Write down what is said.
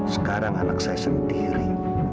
sekarang anak saya sendiri